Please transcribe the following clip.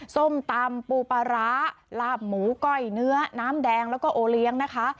ส้มตำปูปลาร้าลาบหมูก้อยเนื้อน้ำแดงแล้วก็โอเลี้ยงนะคะ